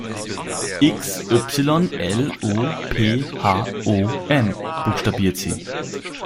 "X Y L O P H O N", buchstabiert sie.